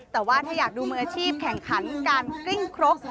แต่ว่าถ้าอยากดูมืออาชีพแข่งขันการกริ้งครก